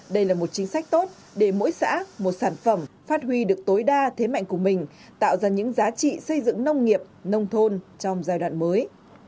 đây là một chính sách tốt để mỗi xã một sản phẩm phát huy được tối đa thế mạnh của mình tạo ra những giá trị xây dựng nông nghiệp nông thôn trong giai đoạn mới